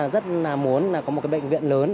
rất là muốn có một bệnh viện lớn